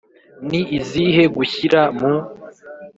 ni izihe Gushyira mu